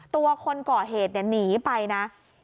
ตัวคนก่อเหตุหนีไปนะ